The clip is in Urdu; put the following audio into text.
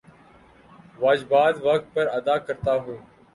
واجبات وقت پر ادا کرتا ہوں